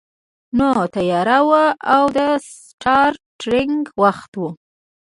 نو تیاره وه او د سټار ټریک وخت و